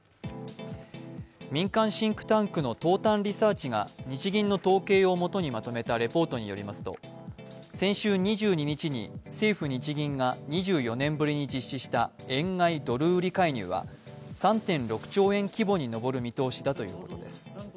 民間シンクタンクの東短リサーチが日銀の統計をもとにまとめたレポートによりますと先週２２日に政府・日銀が２４年ぶりに実施した、円買い・ドル売り介入は３．６兆円規模に上る見通しだということです。